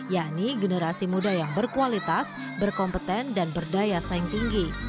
yakni generasi muda yang berkualitas berkompeten dan berdaya saing tinggi